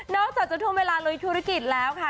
อกจากจะทุ่มเวลาลุยธุรกิจแล้วค่ะ